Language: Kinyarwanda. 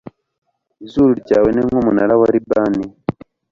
izuru ryawe ni nk'umunara wa libani